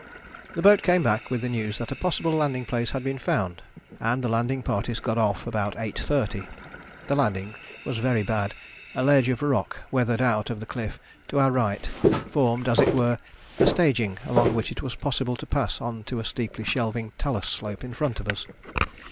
The boat came back with the news that a possible landing place had been found, and the landing parties got off about 8.30. The landing was very bad a ledge of rock weathered out of the cliff to our right formed, as it were, a staging along which it was possible to pass on to a steeply shelving talus slope in front of us.